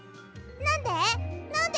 なんで？